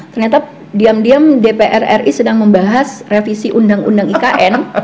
ternyata diam diam dpr ri sedang membahas revisi undang undang ikn